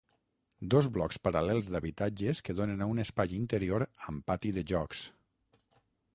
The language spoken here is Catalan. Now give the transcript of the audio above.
Dos blocs paral·lels d'habitatges que donen a un espai interior amb pati de jocs.